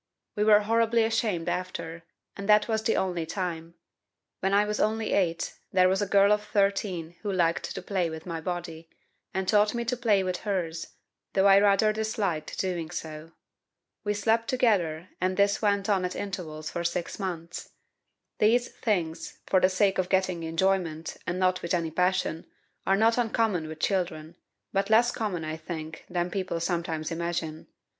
We were horribly ashamed after, and that was the only time. When I was only 8 there was a girl of 13 who liked to play with my body, and taught me to play with hers, though I rather disliked doing so. We slept together, and this went on at intervals for six months. These things, for the sake of getting enjoyment, and not with any passion, are not uncommon with children, but less common, I think, than people sometimes imagine.